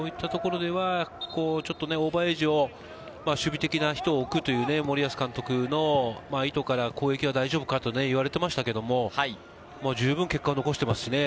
オーバーエイジを守備的な人を置くという森保監督の意図から攻撃は大丈夫かと言われていましたが、十分結果を残していますしね。